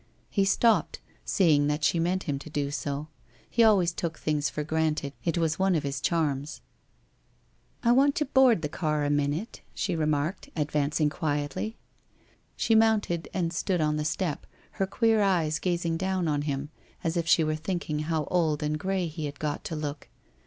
He stopped, seeing that she meant him to do so. He always took things for granted; it was one of his charms. ' I want to board the car a minute,' she remarked, ad vancing quietly. She mounted and stood on the step, her queer eyes gazing down on him, as if she were thinking how old and grey he had got to look.